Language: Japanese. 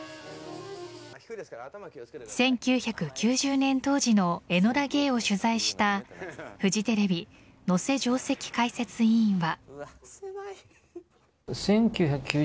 １９９０年当時の「エノラ・ゲイ」を取材したフジテレビ能勢上席解説委員は。